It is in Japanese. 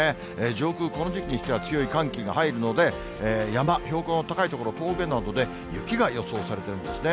上空、この時期にしては強い寒気が入るので、山、標高の高い所、峠などで、雪が予想されているんですね。